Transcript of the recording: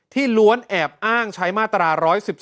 ล้วนแอบอ้างใช้มาตรา๑๑๒